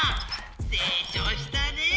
せいちょうしたねえ！